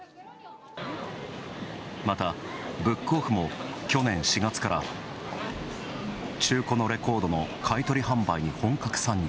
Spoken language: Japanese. また、ブックオフも去年４月から中古のレコードの買い取り販売に本格参入。